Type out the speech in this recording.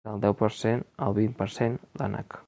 Del deu per cent al vint per cent, l’ànec.